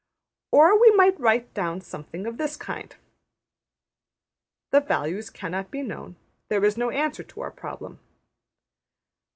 Or we might write down something of this kind: The values cannot be known. There is no answer to our problem.